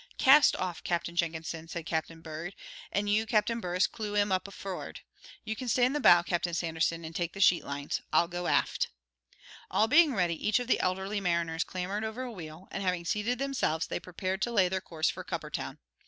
"Cast off, Captain Jenkinson," said Captain Bird, "and you, Captain Burress, clew him up for'ard. You can stay in the bow, Captain Sanderson, and take the sheet lines. I'll go aft." All being ready, each of the elderly mariners clambered over a wheel, and having seated themselves, they prepared to lay their course for Cuppertown.